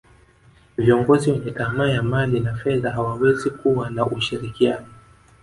viongozi wenye tamaa ya mali na fedha hawawezi kuwa na ushirikiano